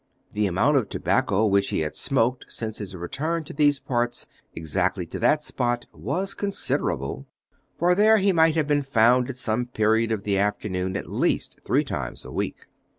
The amount of tobacco which he had smoked since his return to these parts, exactly in that spot, was considerable, for there he might have been found at some period of the afternoon at least three times a week.